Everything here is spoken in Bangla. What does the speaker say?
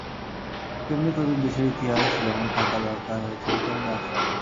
তেমনি তোদের দেশের ইতিহাস যেমন থাকা দরকার হয়েছিল, তেমনি আছে।